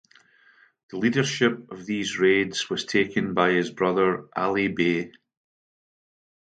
The leadership of these raids was taken by his brother Ali Bey.